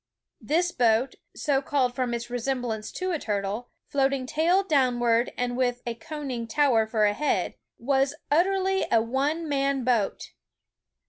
This boat, so called from its resemblance to a turtle, floating tail downward and with a conning tower for a head, was Uter ally a one man boat.